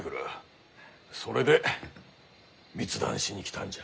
それで密談しに来たんじゃ。